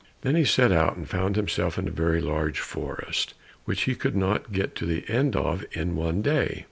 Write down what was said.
Then he set out and found himself in a very large forest, which he could not get to the end of in one day.